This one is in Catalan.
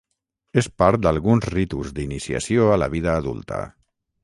És part d'alguns ritus d'iniciació a la vida adulta.